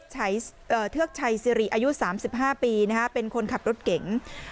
นางสาวกุศลินเทือกชัยซีรีย์อายุ๓๕ปีเป็นคนขับรถเก่ง